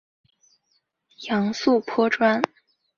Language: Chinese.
杨素颇专。